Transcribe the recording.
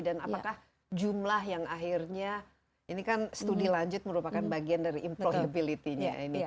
apakah jumlah yang akhirnya ini kan studi lanjut merupakan bagian dari improvability nya